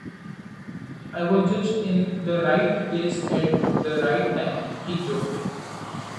"I was just in the right place at the right time," he joked.